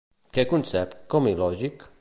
Què concep com il·lògic?